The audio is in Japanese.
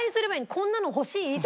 「こんなの欲しい？」とか。